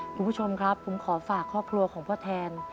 คุณผู้ชมครับผมขอฝากครอบครัวของพ่อแทน